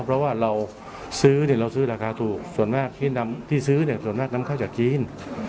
เพราะว่าเราซื้อเราซื้อราคาถูกส่วนมากที่ซื้อส่วนมากนำเข้าจากจีน